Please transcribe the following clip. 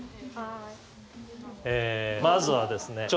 えまずはですね